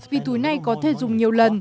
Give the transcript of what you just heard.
vì túi này có thể dùng nhiều lần